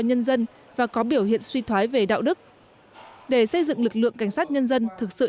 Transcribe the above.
nhân dân và có biểu hiện suy thoái về đạo đức để xây dựng lực lượng cảnh sát nhân dân thực sự